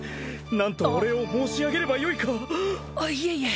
なんとお礼を申し上げればよいかいえいえ